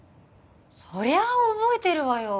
そりゃあ覚えてるわよ